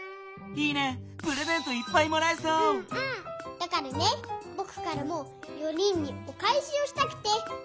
だからねぼくからも４人におかえしをしたくて！